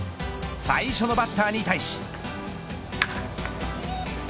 最初のバッターに対し。